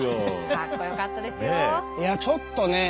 かっこよかったですよ。